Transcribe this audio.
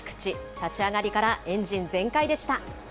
立ち上がりからエンジン全開でした。